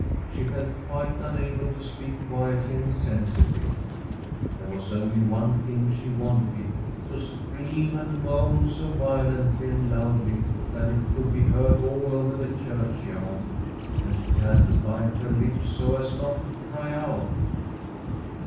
She felt quite unable to speak quietly and sensibly. There was only one thing she wanted : to scream and moan so violently and loudly that it could be heard all over the churchyard ; and she had to bite her lips so as not to cry out.